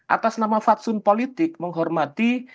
atas nama fatsun politik menghormati